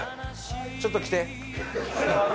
ちょっと来て。